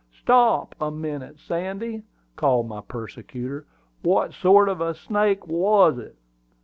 "Stop a minute, Sandy," called my persecutor. "What sort of a snake was it?"